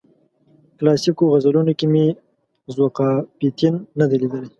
کلاسیکو غزلونو کې مې ذوقافیتین نه دی لیدلی.